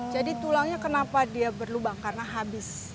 jadi tulangnya kenapa dia berlubang karena habis